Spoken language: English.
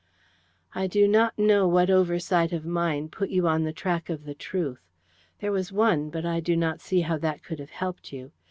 "I do not know what oversight of mine put you on the track of the truth. There was one, but I do not see how that could have helped you.